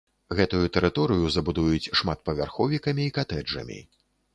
Гэтую тэрыторыю забудуюць шматпавярховікамі і катэджамі.